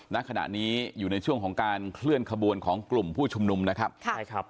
ณขณะนี้อยู่ในช่วงของการเคลื่อนขบวนของกลุ่มผู้ชุมนุมนะครับใช่ครับ